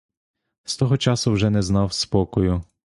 З того часу вже не знав спокою.